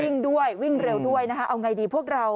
วิ่งด้วยวิ่งเร็วด้วยเอาอย่างไรดีพวกเรา